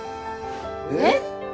えっ！？